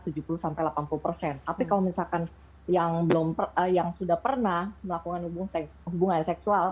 tapi kalau misalkan yang sudah pernah melakukan hubungan seksual